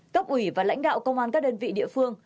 cấp ủy và lãnh đạo công an các đơn vị địa phương